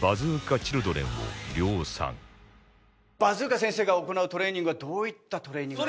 バズーカ先生が行うトレーニングはどういったトレーニング？